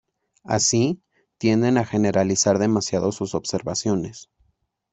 Así, tienden a generalizar demasiado sus observaciones.